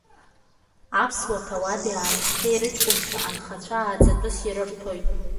Аԥсуа ҭауади-аамсҭеи рыҷкәынцәа анхацәа ааӡатәыс ирырҭоит.